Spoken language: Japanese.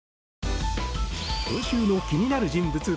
今週の気になる人物